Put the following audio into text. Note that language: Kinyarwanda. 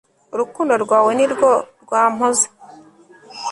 urukundo rwawe ni rwo rwampoza